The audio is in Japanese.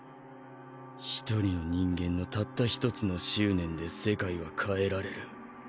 １人の人間のたった１つの執念で世界は変えられる。